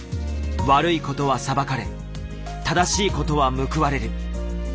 悪いことは裁かれ正しいことは報われる。